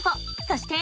そして。